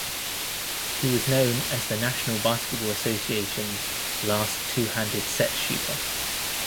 He was known as the National Basketball Association's last two-handed set shooter.